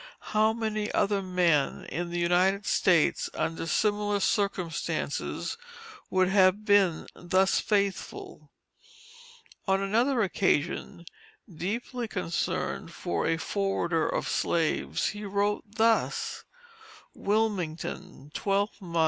How many other men in the United States, under similar circumstances, would have been thus faithful? On another occasion deeply concerned for A FORWARDER OF SLAVES, he wrote thus: WILMINGTON, 12th mo.